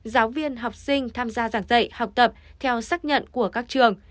giáo viên học sinh tham gia giảng dạy học tập theo xác nhận của các trường